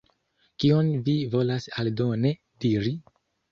Kion vi volas aldone diri?